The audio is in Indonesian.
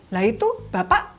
lah itu bapak